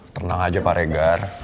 tenang aja pak reger